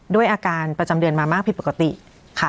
ด้วยอาการประจำเดือนมามากผิดปกติค่ะ